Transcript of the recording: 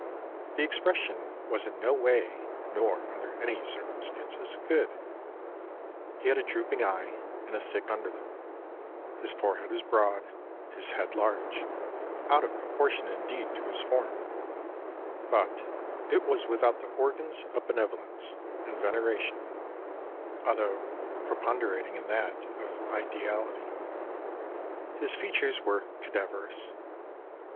The expression was in no way, nor under any circumstances, good; he had a drooping eye and a thick underlip; his forehead was broad, his head large out of proportion indeed to his form; but it was without the organs of benevolence and veneration, although preponderating in that of ideality. His features were 'cadaverous.